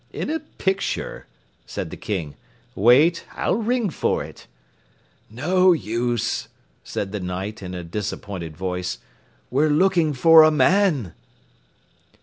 "In a picture," said the King. "Wait, I'll ring for it." "No use," said the Knight in a disappointed voice. "We're looking for a man."